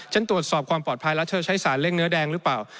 ตรวจสอบความปลอดภัยแล้วเธอใช้สารเร่งเนื้อแดงหรือเปล่า